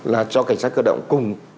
là cho cảnh sát cơ động cùng